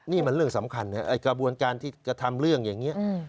นี่มันเรื่องสำคัญนะไอ้กระบวนการที่กระทำเรื่องอย่างนี้